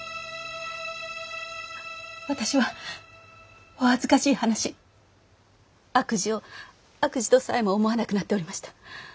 私はお恥ずかしい話悪事を悪事とさえも思わなくなっておりました。